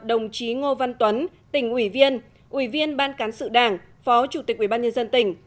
đồng chí ngô văn tuấn tỉnh ủy viên ủy viên ban cán sự đảng phó chủ tịch ủy ban nhân dân tỉnh